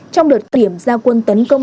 trong đợt kiểm gia quân tấn công